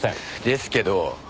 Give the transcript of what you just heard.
ですけど。